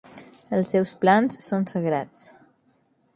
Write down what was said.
Els seus plans són sagrats.